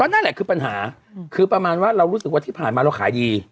นั่นแหละคือปัญหาคือประมาณว่าเรารู้สึกว่าที่ผ่านมาเราขายดี